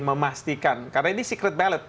memastikan karena ini secret ballot